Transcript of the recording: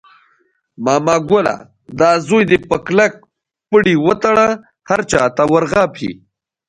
ماما ګله دا زوی دې په کلک پړي وتړله، هر چاته ور غاپي.